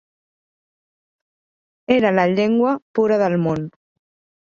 Era la llengua pura del món.